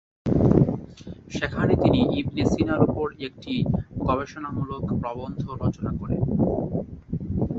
সেখানে তিনি ইবনে সিনার উপর একটি গবেষণামূলক প্রবন্ধ রচনা করেন।